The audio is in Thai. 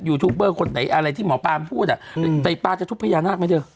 ยูทูปเบอร์คนไหนอะไรที่หมอป้าพูดอะแต่ป้าจะทุบพญานักไหมเจ้า